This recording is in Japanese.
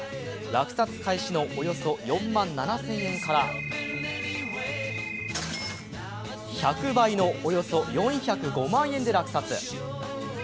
落札開始のおよそ４万７０００円から１００倍のおよそ４０５万円で落札。